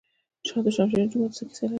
شاه دوشمشیره جومات څه کیسه لري؟